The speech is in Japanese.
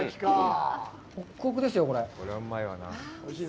ホクホクですよ。